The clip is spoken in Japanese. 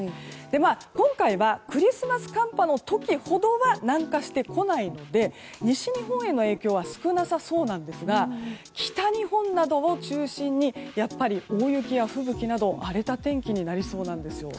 今回はクリスマス寒波の時ほどは南下してこないので西日本への影響は少なさそうなんですが北日本などを中心にやっぱり大雪や吹雪など荒れた天気になりそうなんです。